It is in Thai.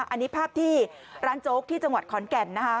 อันนี้ภาพที่ร้านโจ๊กที่จังหวัดขอนแก่นนะคะ